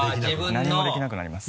何もできなくなります。